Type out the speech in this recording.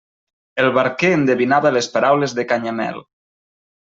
El barquer endevinava les paraules de Canyamel.